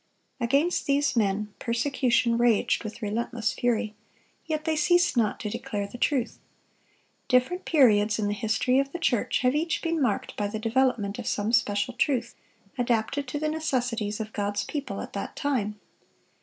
Against these men, persecution raged with relentless fury; yet they ceased not to declare the truth. Different periods in the history of the church have each been marked by the development of some special truth, adapted to the necessities of God's people at that time.